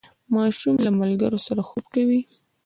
ماشوم د ملګرو سره خوب کوي.